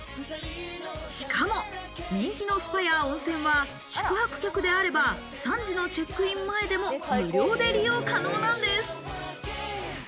しかも、人気のスパや温泉は宿泊客であれば３時のチェックイン前でも無料で利用可能なんです。